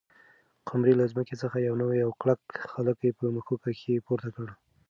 قمرۍ له ځمکې څخه یو نوی او کلک خلی په مښوکه کې پورته کړ.